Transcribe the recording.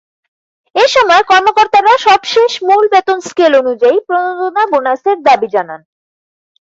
এ সময় কর্মকর্তারা সবশেষ মূল বেতন স্কেল অনুযায়ী প্রণোদনা বোনাসের দাবি জানান।